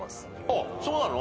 あっそうなの？